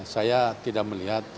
saya tidak melihatnya